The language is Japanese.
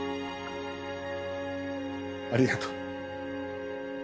ありがとう。